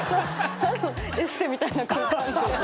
エステみたいな空間で。